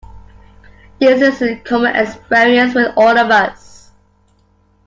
This is a common experience with all of us.